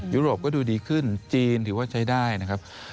ยุโรปก็ดูดีขึ้นจีนถือว่าใช้ได้นะครับ